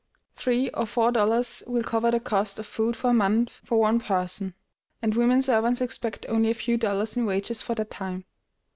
Three or four dollars will cover the cost of food for a month for one person, and women servants expect only a few dollars in wages for that time.